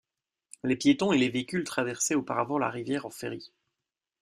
Les piétons et les véhicules traversaient auparavant la rivière en ferry.